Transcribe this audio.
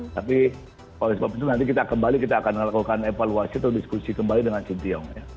tapi kalau sebab itu nanti kita akan melakukan evaluasi atau diskusi kembali dengan si tiong